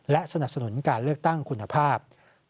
และสนับสนุนการเลือกตั้งคุณภาพ